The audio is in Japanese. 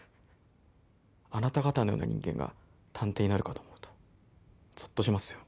あなた方のような人間が探偵になるかと思うとぞっとしますよ。